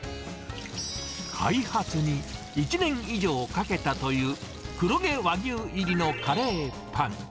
開発に１年以上かけたという、黒毛和牛入りのカレーパン。